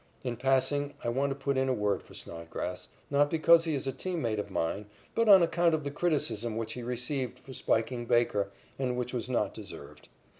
In passing I want to put in a word for Snodgrass, not because he is a team mate of mine, but on account of the criticism which he received for spiking Baker, and which was not deserved.